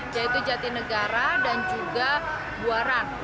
yaitu jatinegara dan juga buaran